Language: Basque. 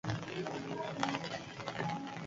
Erritmo handiko laurdena izan da aurrenekoa.